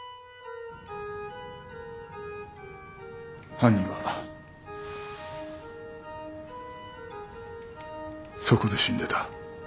犯人はそこで死んでた。